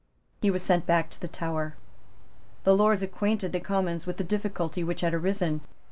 He was sent back to the Tower. The Lords acquainted the Commons with the difficulty which had arisen.